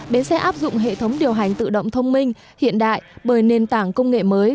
bến xe áp dụng hệ thống điều hành tự động thông minh hiện đại bởi nền tảng công nghệ mới